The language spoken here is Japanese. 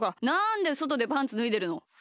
なんでそとでパンツぬいでるの！